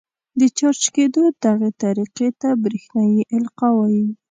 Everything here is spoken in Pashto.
د چارج کېدو دغې طریقې ته برېښنايي القاء وايي.